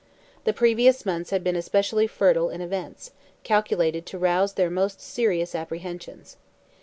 The previous months had been especially fertile in events, calculated to rouse their most serious apprehensions.